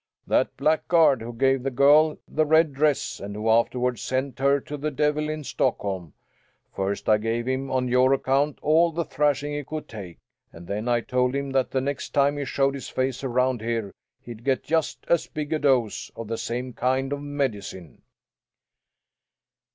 "That blackguard who gave the girl the red dress and who afterward sent her to the devil in Stockholm. First I gave him, on your account, all the thrashing he could take, and then I told him that the next time he showed his face around here he'd get just as big a dose of the same kind of medicine."